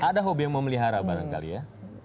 ada hobi yang memelihara barangkali ya